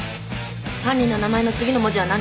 犯人の名前の次の文字は何？